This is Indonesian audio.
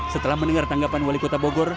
setelah mendengar tanggapan wali kota bogor